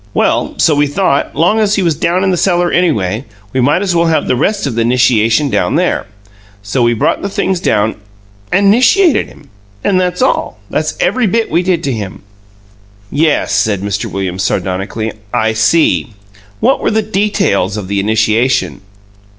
Well, so we thought, long as he was down in the cellar anyway, we might as well have the rest of the 'nishiation down there. So we brought the things down and and 'nishiated him and that's all. That's every bit we did to him." "Yes," Mr. Williams said sardonically; "I see. What were the details of the initiation?"